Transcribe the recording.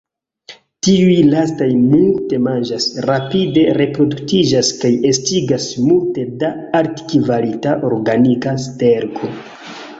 Tiuj lastaj multe manĝas, rapide reproduktiĝas kaj estigas multe da altkvalita organika sterko.